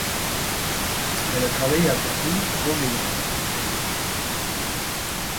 Elle a travaillé à Paris, Rome et Londres.